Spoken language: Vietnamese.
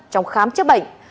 trong khám chức bệnh